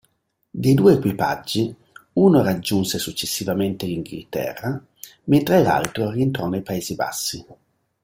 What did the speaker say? Dei due equipaggi, uno raggiunse successivamente l'Inghilterra, mentre l'altro rientrò nei Paesi Bassi.